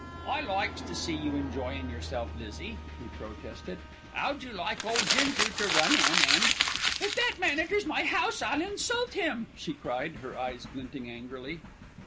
"I likes to see you enjoyin' yerself, Lizzie," he protested. "'Ow'd you like ole Ginger to run in an' ?" "If that man enters my house I'll insult him!" she cried, her eyes glinting angrily.